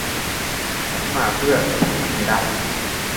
ฉันมาเพื่อจะทำมันให้ได้